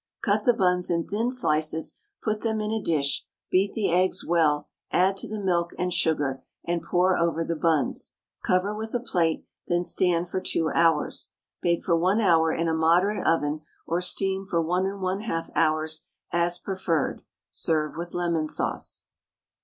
Cut the buns in thin slices, put them in a dish, beat the eggs well, add to the milk and sugar, and pour over the buns; cover with a plate, then stand for 2 hours; bake for 1 hour in a moderate oven, or steam for 1 1/2 hours, as preferred; serve with lemon sauce.